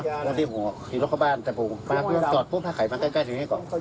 ปกติผมก็คิดรถเข้าบ้านแต่ผมมาก็จอดพวกผ้าไขมันใกล้ถึงนี่ก่อน